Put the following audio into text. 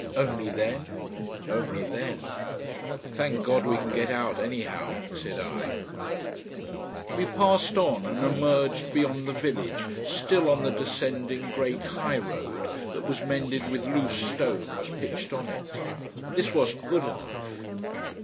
Only then? Only then. "Thank God we can get out, anyhow," said I. We passed on, and emerged beyond the village, still on the descending great high road that was mended with loose stones pitched on it. This wasn't good enough.